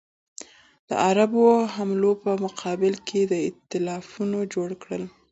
د عربو حملو په مقابل کې ایتلافونه جوړ کړل.